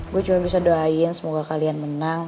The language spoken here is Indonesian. gue cuma bisa doain semoga kalian menang